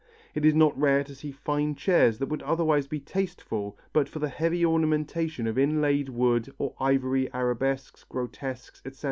It is not rare to see fine chairs that would otherwise be tasteful but for the heavy ornamentation of inlaid wood or ivory arabesques, grotesques, etc.